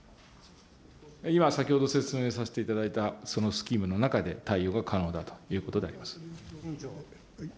今、先ほど説明させていただいた、そのスキームの中で対応が可能だということであります。